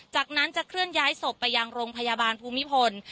จากนั้นจะเคลื่อนย้ายศพไปยังโรงพยาบาลภูมิพล